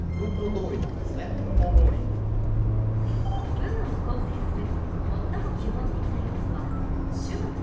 文を構成する最も基本的な要素は主語と述語です。